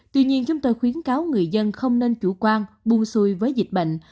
tuy nhiên chúng tôi khuyến cáo người dân không nên chủ quan buôn xuôi với dịch bệnh